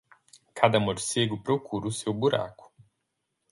Cada morcego procura o seu buraco.